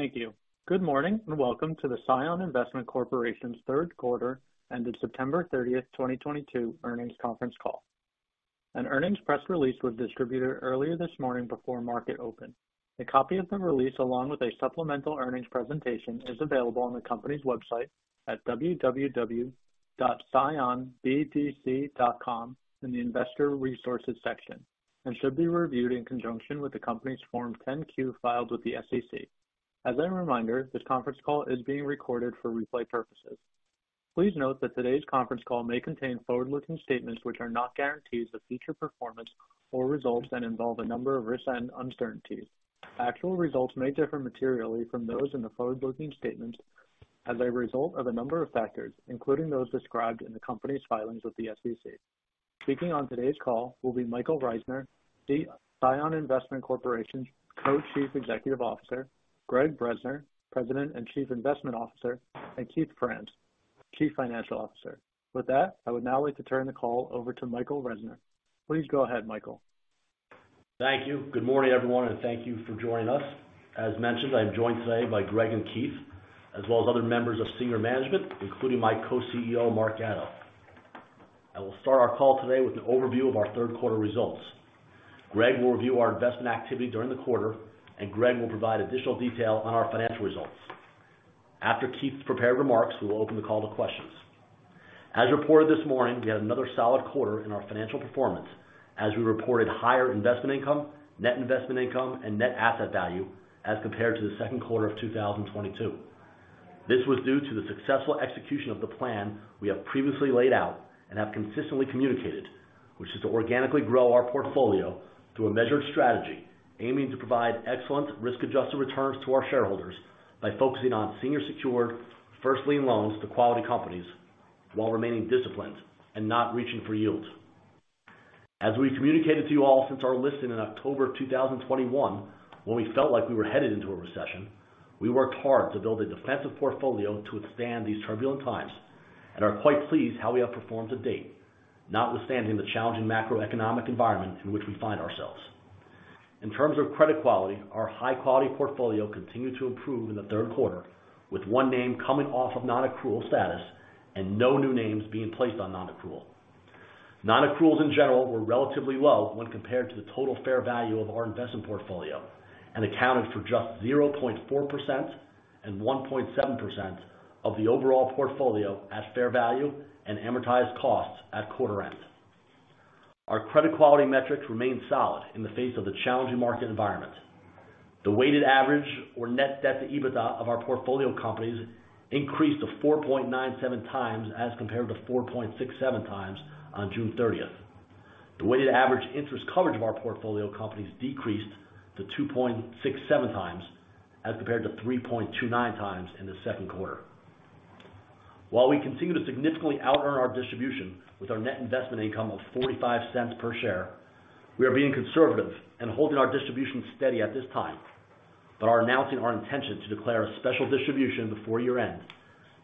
Thank you. Good morning, and welcome to the CION Investment Corporation's third quarter ended September 30, 2022 earnings conference call. An earnings press release was distributed earlier this morning before market open. A copy of the release, along with a supplemental earnings presentation, is available on the company's website at www.cionbdc.com in the investor resources section and should be reviewed in conjunction with the company's Form 10-Q filed with the SEC. As a reminder, this conference call is being recorded for replay purposes. Please note that today's conference call may contain forward-looking statements which are not guarantees of future performance or results that involve a number of risks and uncertainties. Actual results may differ materially from those in the forward-looking statements as a result of a number of factors, including those described in the company's filings with the SEC. Speaking on today's call will be Michael Reisner, the CION Investment Corporation's Co-Chief Executive Officer, Gregg Bresner, President and Chief Investment Officer, and Keith Franz, Chief Financial Officer. With that, I would now like to turn the call over to Michael Reisner. Please go ahead, Michael. Thank you. Good morning, everyone, and thank you for joining us. As mentioned, I'm joined today by Gregg and Keith, as well as other members of senior management, including my Co-CEO, Mark Gatto. I will start our call today with an overview of our third quarter results. Gregg will review our investment activity during the quarter, and Gregg will provide additional detail on our financial results. After Keith's prepared remarks, we will open the call to questions. As reported this morning, we had another solid quarter in our financial performance as we reported higher investment income, net investment income, and net asset value as compared to the second quarter of 2022. This was due to the successful execution of the plan we have previously laid out and have consistently communicated, which is to organically grow our portfolio through a measured strategy aiming to provide excellent risk-adjusted returns to our shareholders by focusing on senior secured first lien loans to quality companies while remaining disciplined and not reaching for yields. As we communicated to you all since our listing in October of 2021, when we felt like we were headed into a recession, we worked hard to build a defensive portfolio to withstand these turbulent times and are quite pleased how we have performed to date, notwithstanding the challenging macroeconomic environment in which we find ourselves. In terms of credit quality, our high quality portfolio continued to improve in the third quarter, with one name coming off of non-accrual status and no new names being placed on non-accrual. Non-accruals in general were relatively low when compared to the total fair value of our investment portfolio and accounted for just 0.4% and 1.7% of the overall portfolio at fair value and amortized costs at quarter end. Our credit quality metrics remained solid in the face of the challenging market environment. The weighted average of net debt to EBITDA of our portfolio companies increased to 4.97x as compared to 4.67x on June 30th. The weighted average interest coverage of our portfolio companies decreased to 2.67x as compared to 3.29x in the second quarter. While we continue to significantly outearn our distribution with our net investment income of $0.45 per share, we are being conservative and holding our distribution steady at this time, but are announcing our intention to declare a special distribution before year-end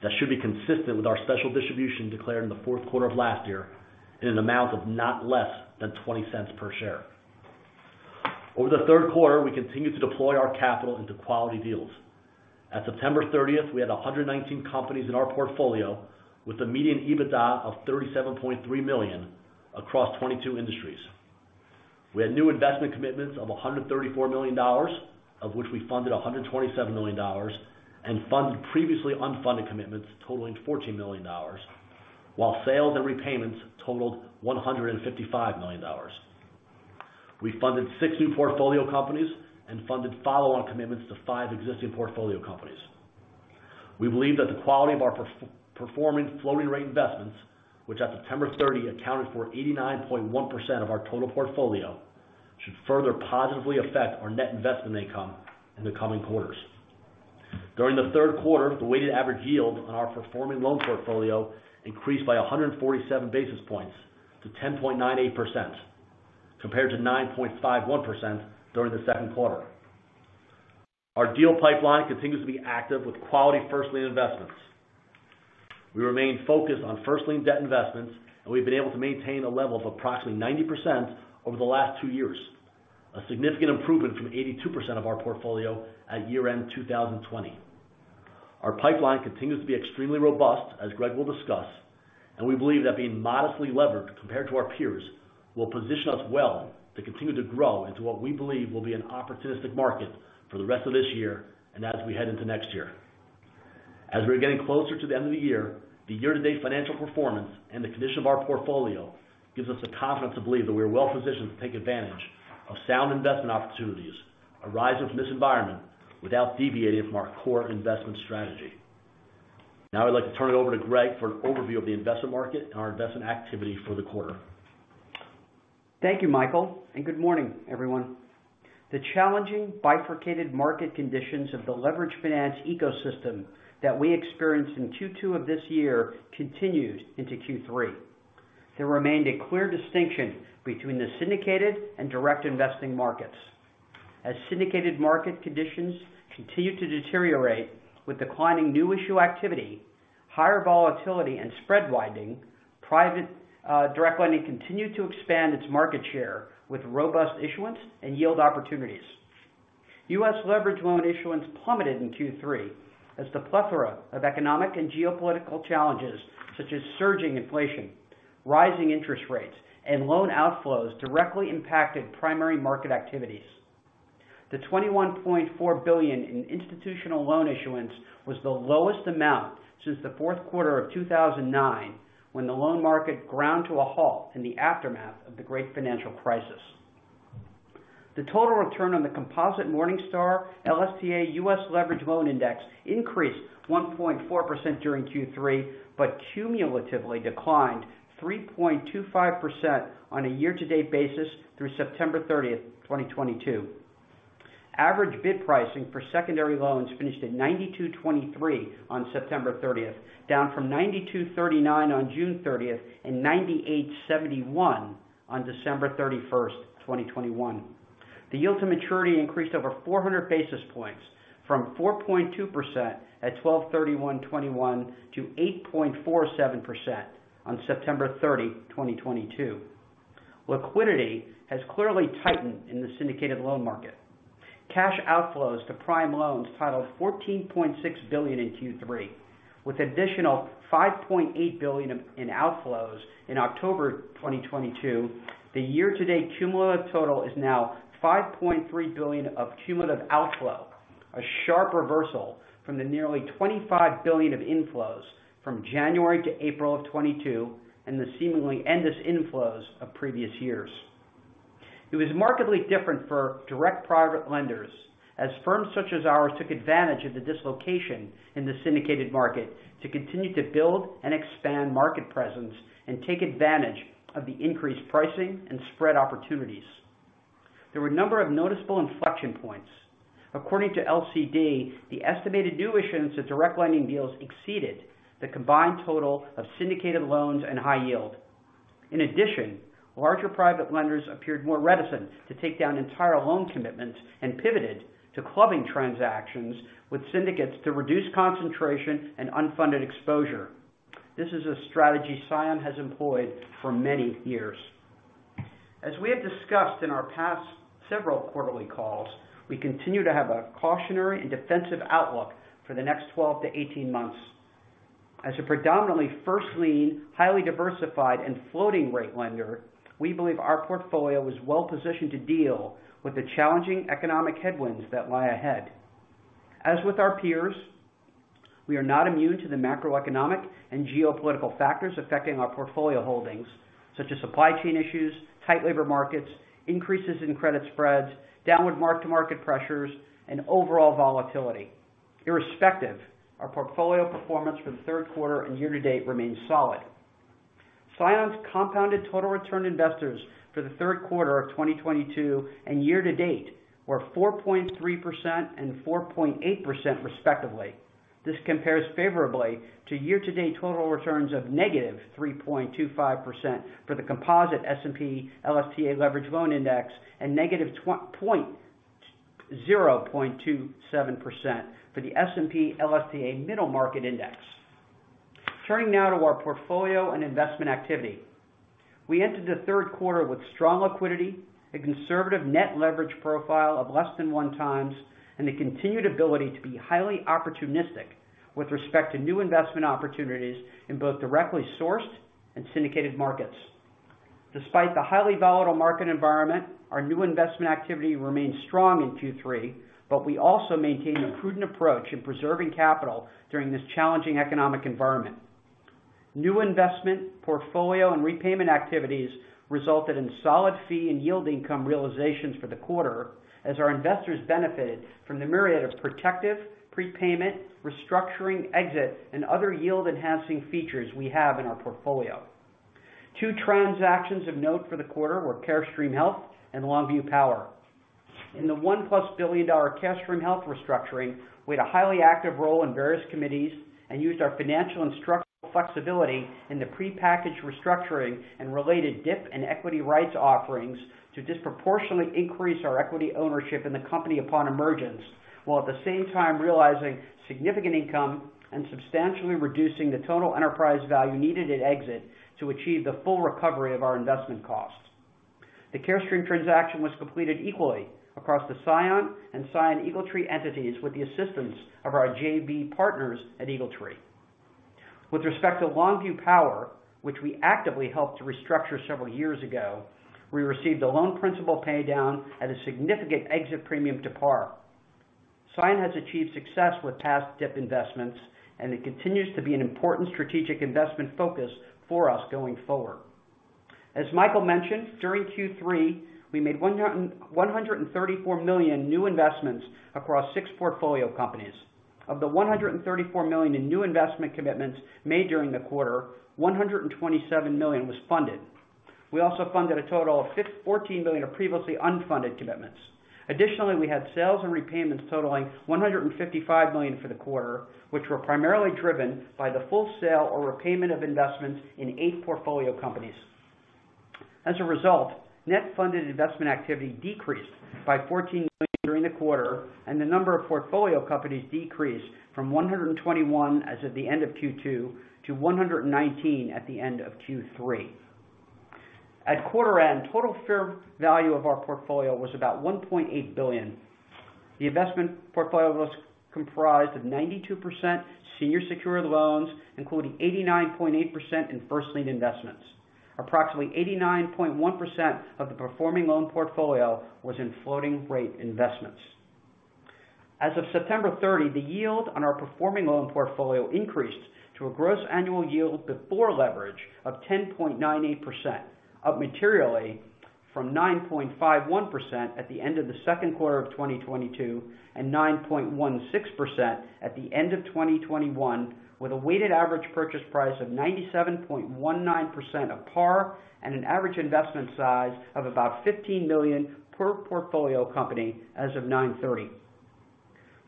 that should be consistent with our special distribution declared in the fourth quarter of last year in an amount of not less than $0.20 per share. Over the third quarter, we continued to deploy our capital into quality deals. At September 30, we had 119 companies in our portfolio with a median EBITDA of $37.3 million across 22 industries. We had new investment commitments of $134 million, of which we funded $127 million and funded previously unfunded commitments totaling $14 million. While sales and repayments totaled $155 million. We funded six new portfolio companies and funded follow-on commitments to five existing portfolio companies. We believe that the quality of our performing floating rate investments, which at September 30 accounted for 89.1% of our total portfolio, should further positively affect our net investment income in the coming quarters. During the third quarter, the weighted average yield on our performing loan portfolio increased by 147 basis points to 10.98% compared to 9.51% during the second quarter. Our deal pipeline continues to be active with quality first lien investments. We remain focused on first lien debt investments, and we've been able to maintain a level of approximately 90% over the last two years, a significant improvement from 82% of our portfolio at year-end 2020. Our pipeline continues to be extremely robust, as Gregg will discuss, and we believe that being modestly levered compared to our peers will position us well to continue to grow into what we believe will be an opportunistic market for the rest of this year and as we head into next year. As we're getting closer to the end of the year, the year-to-date financial performance and the condition of our portfolio gives us the confidence to believe that we are well positioned to take advantage of sound investment opportunities arising from this environment without deviating from our core investment strategy. Now I'd like to turn it over to Gregg for an overview of the investment market and our investment activity for the quarter. Thank you, Michael, and good morning, everyone. The challenging bifurcated market conditions of the leveraged finance ecosystem that we experienced in Q2 of this year continued into Q3. There remained a clear distinction between the syndicated and direct investing markets. As syndicated market conditions continued to deteriorate with declining new issue activity. Higher volatility and spread widening, private direct lending continued to expand its market share with robust issuance and yield opportunities. U.S. leveraged loan issuance plummeted in Q3 as the plethora of economic and geopolitical challenges, such as surging inflation, rising interest rates, and loan outflows directly impacted primary market activities. The $21.4 billion in institutional loan issuance was the lowest amount since the fourth quarter of 2009 when the loan market ground to a halt in the aftermath of the Global Financial Crisis. The total return on the composite Morningstar LSTA U.S., Leveraged Loan Index increased 1.4% during Q3, but cumulatively declined 3.25% on a year-to-date basis through September 30, 2022. Average bid pricing for secondary loans finished at 92.23 on September 30, down from 92.39 on June 30 and 98.71 on December 31, 2021. The yield to maturity increased over 400 basis points from 4.2% at 12/31/2021 to 8.47% on September 30, 2022. Liquidity has clearly tightened in the syndicated loan market. Cash outflows to prime loans totaled $14.6 billion in Q3. With additional $5.8 billion in outflows in October 2022, the year-to-date cumulative total is now $5.3 billion of cumulative outflow, a sharp reversal from the nearly $25 billion of inflows from January to April of 2022 and the seemingly endless inflows of previous years. It was markedly different for direct private lenders as firms such as ours took advantage of the dislocation in the syndicated market to continue to build and expand market presence and take advantage of the increased pricing and spread opportunities. There were a number of noticeable inflection points. According to LCD, the estimated new issuance of direct lending deals exceeded the combined total of syndicated loans and high yield. In addition, larger private lenders appeared more reticent to take down entire loan commitments and pivoted to clubbing transactions with syndicates to reduce concentration and unfunded exposure. This is a strategy CION has employed for many years. As we have discussed in our past several quarterly calls, we continue to have a cautionary and defensive outlook for the next 12-18 months. As a predominantly first lien, highly diversified and floating rate lender, we believe our portfolio is well-positioned to deal with the challenging economic headwinds that lie ahead. As with our peers, we are not immune to the macroeconomic and geopolitical factors affecting our portfolio holdings, such as supply chain issues, tight labor markets, increases in credit spreads, downward mark-to-market pressures, and overall volatility. Irrespective, our portfolio performance for the third quarter and year-to-date remains solid. CION's compounded total return to investors for the third quarter of 2022 and year-to-date were 4.3% and 4.8% respectively. This compares favorably to year-to-date total returns of -3.25% for the composite S&P/LSTA Leveraged Loan Index and -20.27% for the S&P/LSTA Middle Market Loan Index. Turning now to our portfolio and investment activity. We entered the third quarter with strong liquidity, a conservative net leverage profile of less than 1x, and the continued ability to be highly opportunistic with respect to new investment opportunities in both directly sourced and syndicated markets. Despite the highly volatile market environment, our new investment activity remained strong in Q3, but we also maintained a prudent approach in preserving capital during this challenging economic environment. New investment portfolio and repayment activities resulted in solid fee and yield income realizations for the quarter as our investors benefited from the myriad of protective, prepayment, restructuring, exit, and other yield-enhancing features we have in our portfolio. Two transactions of note for the quarter were Carestream Health and Longview Power. In the $1 billion Carestream Health restructuring, we had a highly active role in various committees and used our financial and structural flexibility in the prepackaged restructuring and related DIP and equity rights offerings to disproportionately increase our equity ownership in the company upon emergence, while at the same time realizing significant income and substantially reducing the total enterprise value needed at exit to achieve the full recovery of our investment costs. The Carestream transaction was completed equally across the CION/EagleTree and CION/EagleTree entities with the assistance of our JV partners at EagleTree Capital. With respect to Longview Power, which we actively helped to restructure several years ago, we received a loan principal paydown at a significant exit premium to par. CION has achieved success with past DIP investments, and it continues to be an important strategic investment focus for us going forward. As Michael mentioned, during Q3, we made $134 million new investments across six portfolio companies. Of the $134 million in new investment commitments made during the quarter, $127 million was funded. We also funded a total of $14 million of previously unfunded commitments. Additionally, we had sales and repayments totaling $155 million for the quarter, which were primarily driven by the full sale or repayment of investments in eight portfolio companies. As a result, net funded investment activity decreased by $14 million during the quarter, and the number of portfolio companies decreased from 121 as of the end of Q2 to 119 at the end of Q3. At quarter end, total fair value of our portfolio was about $1.8 billion. The investment portfolio was comprised of 92% senior secured loans, including 89.8% in first lien investments. Approximately 89.1% of the performing loan portfolio was in floating rate investments. As of September 30, the yield on our performing loan portfolio increased to a gross annual yield before leverage of 10.98%, up materially from 9.51% at the end of the second quarter of 2022 and 9.16% at the end of 2021, with a weighted average purchase price of 97.19% of par and an average investment size of about $15 million per portfolio company as of 9/30.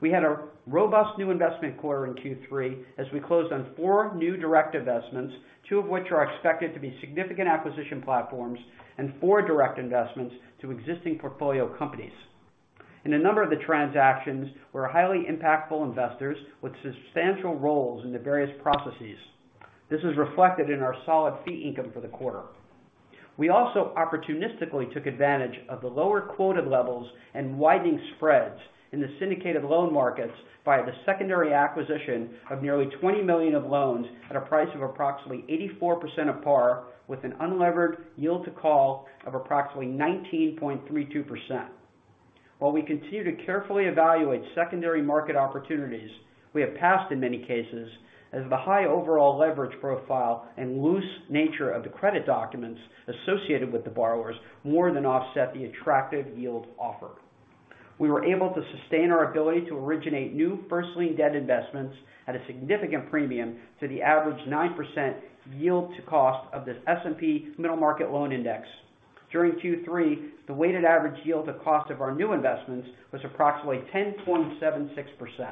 We had a robust new investment quarter in Q3 as we closed on four new direct investments, two of which are expected to be significant acquisition platforms and four direct investments to existing portfolio companies. In a number of the transactions, we were highly impactful investors with substantial roles in the various processes. This is reflected in our solid fee income for the quarter. We also opportunistically took advantage of the lower quoted levels and widening spreads in the syndicated loan markets by the secondary acquisition of nearly $20 million of loans at a price of approximately 84% of par, with an unlevered yield to call of approximately 19.32%. While we continue to carefully evaluate secondary market opportunities, we have passed in many cases as the high overall leverage profile and loose nature of the credit documents associated with the borrowers more than offset the attractive yield offer. We were able to sustain our ability to originate new first lien debt investments at a significant premium to the average 9% yield to cost of the S&P/LSTA Middle Market Loan Index. During Q3, the weighted average yield to cost of our new investments was approximately 10.76%.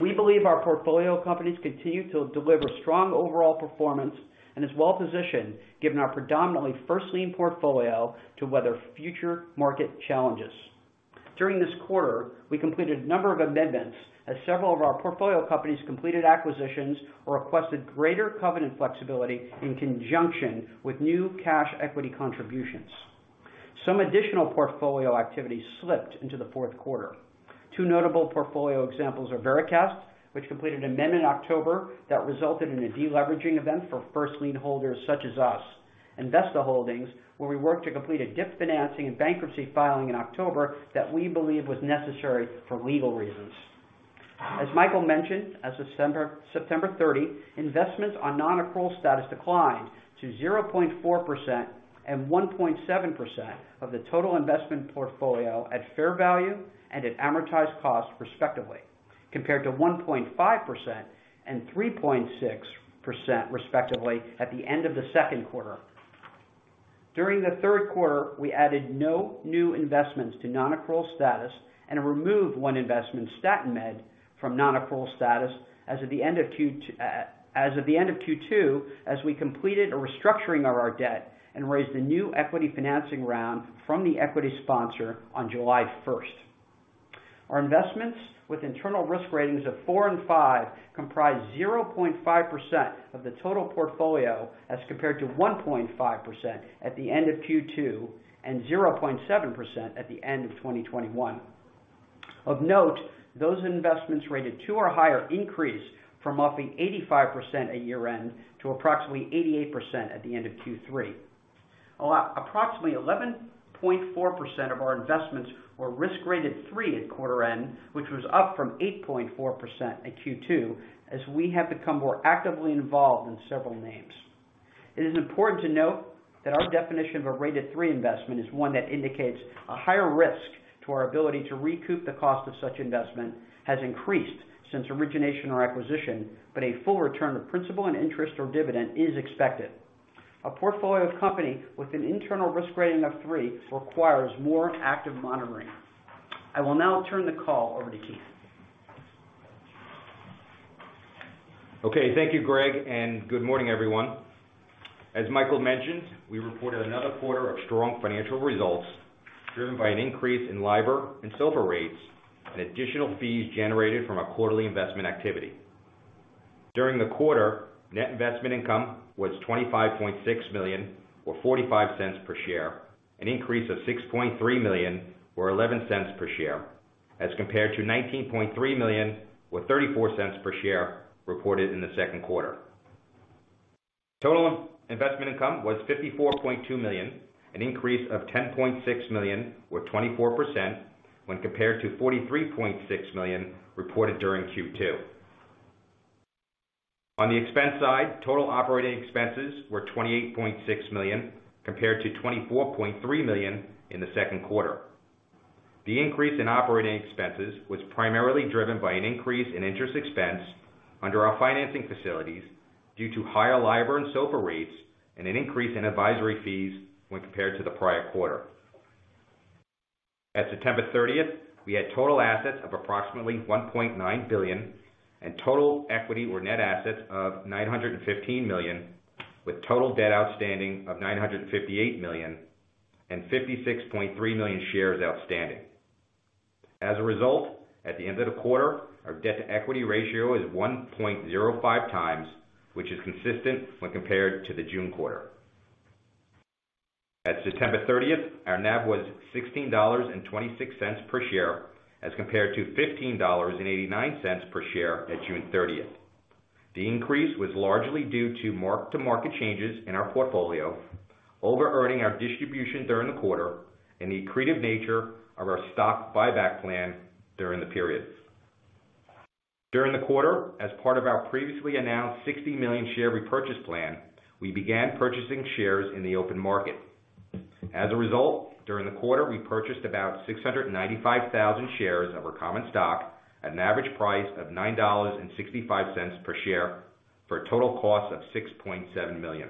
We believe our portfolio companies continue to deliver strong overall performance and is well positioned given our predominantly first lien portfolio to weather future market challenges. During this quarter, we completed a number of amendments as several of our portfolio companies completed acquisitions or requested greater covenant flexibility in conjunction with new cash equity contributions. Some additional portfolio activity slipped into the fourth quarter. Two notable portfolio examples are Vericast, which completed amendment in October that resulted in a deleveraging event for first lien holders such as us. Investa Holdings, where we worked to complete a DIP financing and bankruptcy filing in October that we believe was necessary for legal reasons. As Michael mentioned, as of September 30, investments on non-accrual status declined to 0.4% and 1.7% of the total investment portfolio at fair value and at amortized cost, respectively, compared to 1.5% and 3.6%, respectively, at the end of the second quarter. During the third quarter, we added no new investments to non-accrual status and removed one investment, STATinMED, from non-accrual status as of the end of Q2 as we completed a restructuring of our debt and raised a new equity financing round from the equity sponsor on July 1st. Our investments with internal risk ratings of four and five comprise 0.5% of the total portfolio as compared to 1.5% at the end of Q2 and 0.7% at the end of 2021. Of note, those investments rated two or higher increased from roughly 85% at year-end to approximately 88% at the end of Q3. Approximately 11.4% of our investments were risk rated three at quarter end, which was up from 8.4% at Q2 as we have become more actively involved in several names. It is important to note that our definition of a rated three investment is one that indicates a higher risk to our ability to recoup the cost of such investment has increased since origination or acquisition, but a full return of principal and interest or dividend is expected. A portfolio company with an internal risk rating of three requires more active monitoring. I will now turn the call over to Keith. Okay. Thank you, Gregg, and good morning, everyone. As Michael mentioned, we reported another quarter of strong financial results driven by an increase in LIBOR and SOFR rates and additional fees generated from our quarterly investment activity. During the quarter, net investment income was $25.6 million or $0.45 per share, an increase of $6.3 million or $0.11 per share as compared to $19.3 million or $0.34 per share reported in the second quarter. Total investment income was $54.2 million, an increase of $10.6 million or 24% when compared to $43.6 million reported during Q2. On the expense side, total operating expenses were $28.6 million, compared to $24.3 million in the second quarter. The increase in operating expenses was primarily driven by an increase in interest expense under our financing facilities due to higher LIBOR and SOFR rates and an increase in advisory fees when compared to the prior quarter. At September 30, we had total assets of approximately $1.9 billion and total equity or net assets of $915 million, with total debt outstanding of $958 million and 56.3 million shares outstanding. As a result, at the end of the quarter, our debt-to-equity ratio is 1.05x, which is consistent when compared to the June quarter. At September 30, our NAV was $16.26 per share as compared to $15.89 per share at June 30. The increase was largely due to mark-to-market changes in our portfolio, overearning our distribution during the quarter, and the accretive nature of our stock buyback plan during the period. During the quarter, as part of our previously announced 60 million share oepurchase plan, we began purchasing shares in the open market. As a result, during the quarter, we purchased about 695,000 shares of our common stock at an average price of $9.65 per share for a total cost of $6.7 million.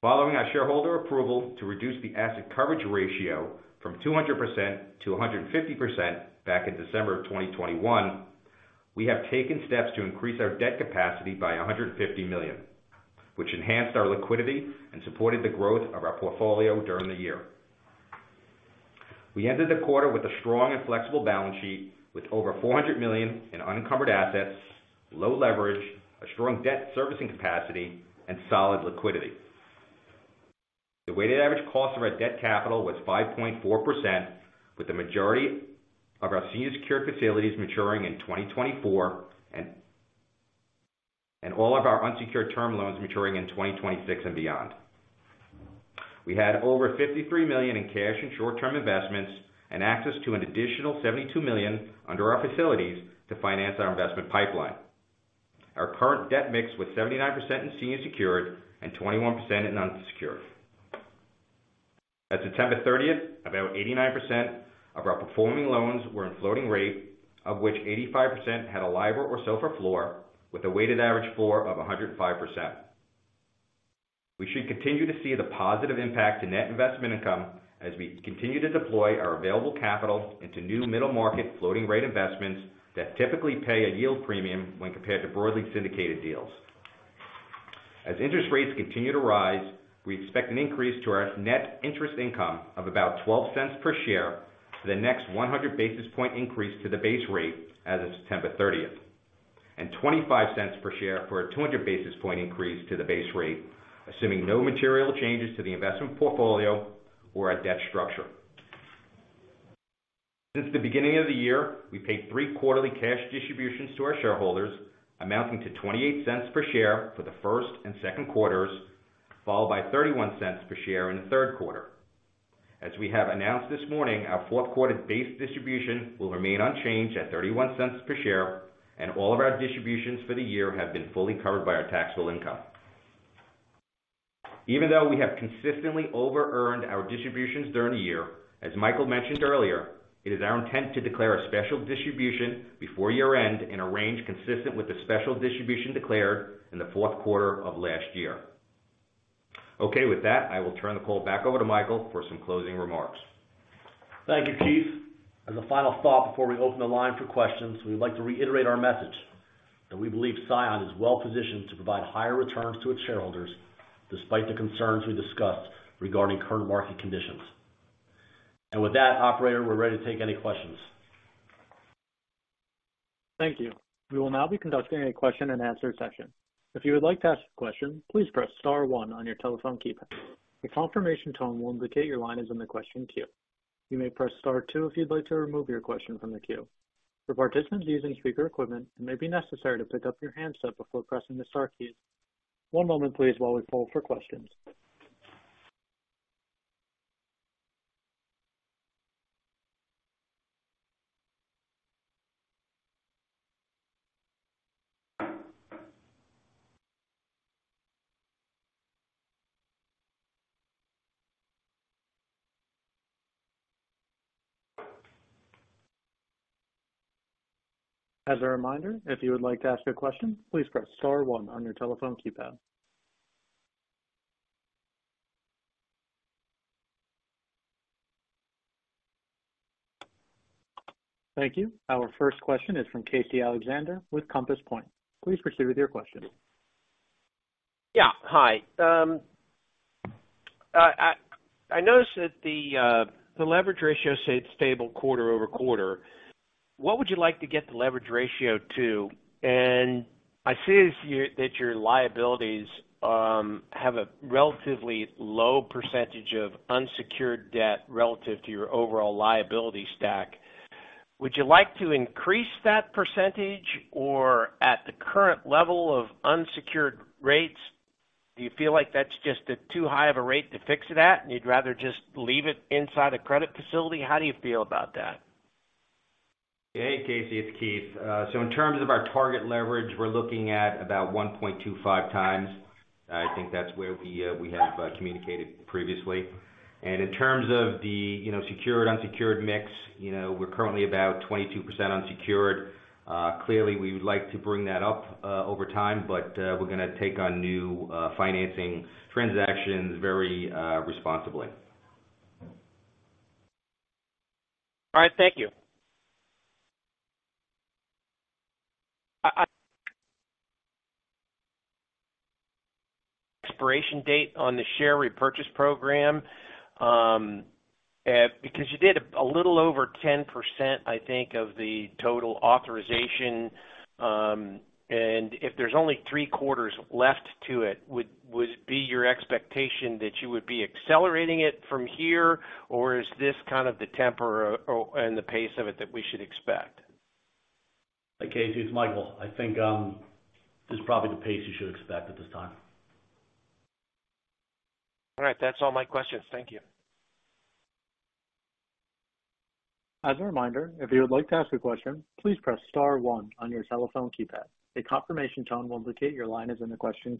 Following our shareholder approval to reduce the asset coverage ratio from 200% to 150% back in December 2021, we have taken steps to increase our debt capacity by $150 million, which enhanced our liquidity and supported the growth of our portfolio during the year. We ended the quarter with a strong and flexible balance sheet with over $400 million in unencumbered assets, low leverage, a strong debt servicing capacity, and solid liquidity. The weighted average cost of our debt capital was 5.4%, with the majority of our senior secured facilities maturing in 2024 and all of our unsecured term loans maturing in 2026 and beyond. We had over $53 million in cash and short-term investments and access to an additional $72 million under our facilities to finance our investment pipeline. Our current debt mix with 79% in senior secured and 21% in unsecured. At September 30, about 89% of our performing loans were in floating rate, of which 85% had a LIBOR or SOFR floor with a weighted average floor of 105%. We should continue to see the positive impact to net investment income as we continue to deploy our available capital into new middle market floating rate investments that typically pay a yield premium when compared to broadly syndicated deals. As interest rates continue to rise, we expect an increase to our net interest income of about $0.12 per share for the next 100 basis point increase to the base rate as of September thirtieth, and $0.25 per share for a 200 basis point increase to the base rate, assuming no material changes to the investment portfolio or our debt structure. Since the beginning of the year, we paid three quarterly cash distributions to our shareholders, amounting to $0.28 per share for the first and second quarters, followed by $0.31 per share in the third quarter. As we have announced this morning, our fourth quarter base distribution will remain unchanged at $0.31 per share, and all of our distributions for the year have been fully covered by our taxable income. Even though we have consistently overearned our distributions during the year, as Michael mentioned earlier, it is our intent to declare a special distribution before year-end in a range consistent with the special distribution declared in the fourth quarter of last year. Okay. With that, I will turn the call back over to Michael for some closing remarks. Thank you, Keith. As a final thought before we open the line for questions, we'd like to reiterate our message that we believe CION is well positioned to provide higher returns to its shareholders despite the concerns we discussed regarding current market conditions. With that, operator, we're ready to take any questions. Thank you. We will now be conducting a question and answer session. If you would like to ask a question, please press star one on your telephone keypad. A confirmation tone will indicate your line is in the question queue. You may press star two if you'd like to remove your question from the queue. For participants using speaker equipment, it may be necessary to pick up your handset before pressing the star key. One moment please while we poll for questions. As a reminder, if you would like to ask a question, please press star one on your telephone keypad. Thank you. Our first question is from Casey Alexander with Compass Point. Please proceed with your question. Yeah. Hi. I noticed that the leverage ratio stayed stable quarter-over-quarter. What would you like to get the leverage ratio to? I see that your liabilities have a relatively low percentage of unsecured debt relative to your overall liability stack. Would you like to increase that percentage? Or at the current level of unsecured rates, do you feel like that's just too high of a rate to fix that, and you'd rather just leave it inside a credit facility? How do you feel about that? Hey, Casey. It's Keith. So in terms of our target leverage, we're looking at about 1.25x. I think that's where we have communicated previously. In terms of the, you know, secured-unsecured mix, you know, we're currently about 22% unsecured. Clearly we would like to bring that up over time, but we're gonna take on new financing transactions very responsibly. All right. Thank you. Expiration date on the share repurchase program, because you did a little over 10%, I think, of the total authorization. If there's only three quarters left to it, would it be your expectation that you would be accelerating it from here, or is this kind of the tempo and the pace of it that we should expect? Hey, Casey. It's Michael. I think this is probably the pace you should expect at this time. All right. That's all my questions. Thank you. As a reminder, if you would like to ask a question, please press star one on your telephone keypad. A confirmation tone will indicate your line is in the question queue.